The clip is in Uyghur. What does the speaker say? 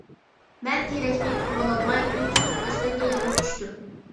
مەن تىرەكنى تۇتۇۋالالماي تۇيۇقسىز ئۆستەڭگە يىقىلىپ چۈشتۈم.